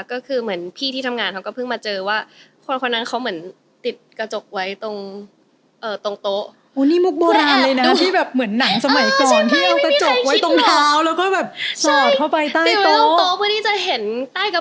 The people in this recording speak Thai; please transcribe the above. ก็คือแบบพี่ที่ทำงานำเหมือนเขาก็พึ่งมาเจอว่า